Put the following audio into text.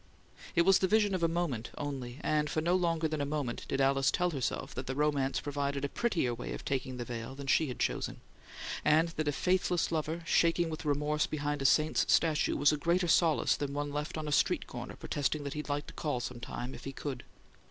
It was the vision of a moment only, and for no longer than a moment did Alice tell herself that the romance provided a prettier way of taking the veil than she had chosen, and that a faithless lover, shaking with remorse behind a saint's statue, was a greater solace than one left on a street corner protesting that he'd like to call some time if he could!